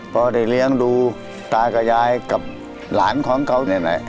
พอได้เลี้ยงดูตากะยายกับหลานของเขา